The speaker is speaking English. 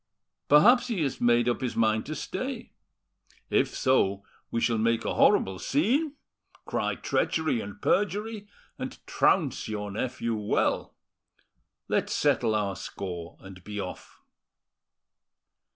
Perhaps he has made up his mind to stay. If so, we shall make a horrible scene, cry treachery and perjury, and trounce your nephew well. Let's settle our score and be off."